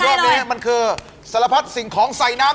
รอบนี้มันคือสารพัดสิ่งของใส่น้ำ